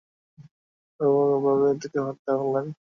এভাবে তাকে তিনি হত্যা করলেন।